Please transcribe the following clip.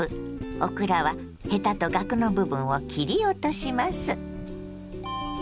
オクラはヘタとがくの部分を切り落とします。